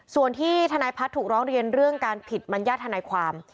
ส่วนที่ทนายพัฒน์ถูกร้องเรียนเรื่องการผิดมัญญาติธนายความ